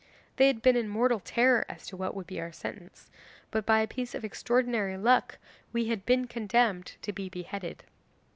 They had been in mortal terror as to what would be our sentence, but by a piece of extraordinary luck we had been condemned to be beheaded.